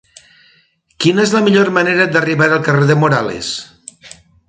Quina és la millor manera d'arribar al carrer de Morales?